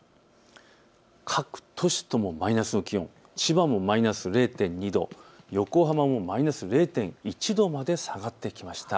各都市ともマイナスの気温、千葉もマイナス０．２度、横浜もマイナス０．１度まで下がってきました。